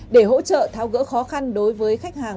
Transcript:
để hỗ trợ tháo gỡ khó khăn đối với khách hàng